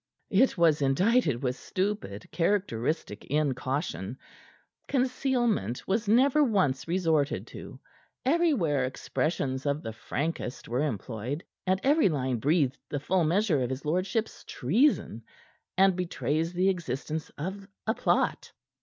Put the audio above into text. It was indited with stupid, characteristic incaution; concealment was never once resorted to; everywhere expressions of the frankest were employed, and every line breathed the full measure of his lordship's treason and betrays the existence of a plot.